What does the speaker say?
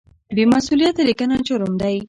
بې مسؤلیته لیکنه جرم دی.